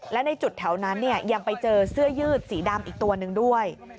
และในจุดแถวนั้นยังไปเจอเสื้อยืดสีดำอีกตัวหนึ่งด้วย